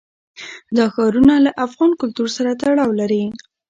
دا ښارونه له افغان کلتور سره تړاو لري.